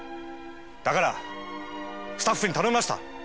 だからスタッフに頼みました。